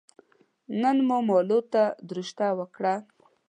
نن مو مالو ته دروشته ور کړه